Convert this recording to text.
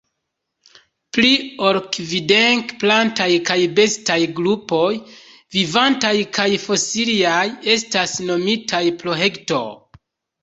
Pli ol kvindek plantaj kaj bestaj grupoj, vivantaj kaj fosiliaj, estas nomitaj pro Hector.